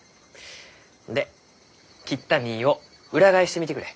で切った実を裏返してみてくれ。